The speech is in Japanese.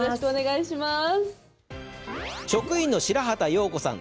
職員の白畑容子さん。